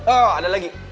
oh ada lagi